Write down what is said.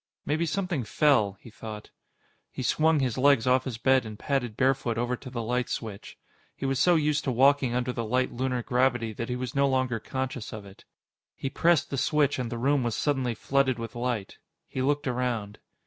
Maybe something fell, he thought. He swung his legs off his bed and padded barefoot over to the light switch. He was so used to walking under the light lunar gravity that he was no longer conscious of it. He pressed the switch, and the room was suddenly flooded with light. He looked around.